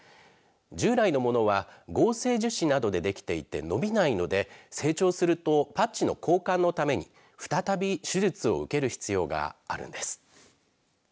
従来のものは合成樹脂などでできていて、伸びないので成長するとパッチの交換のために再び手術を受ける必要があるんです。